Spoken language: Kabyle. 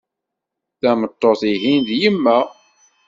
Tameṭṭut ihin d yemma.